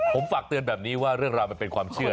ผมฝากเตือนแบบนี้ว่าเรื่องราวมันเป็นความเชื่อ